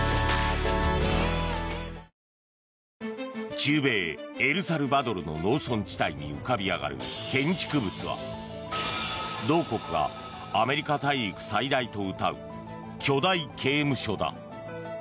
中米エルサルバドルの農村地帯に浮かび上がる建築物は同国がアメリカ大陸最大とうたう巨大刑務所だ。